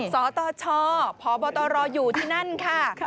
สตชพบตรอยู่ที่นั่นค่ะ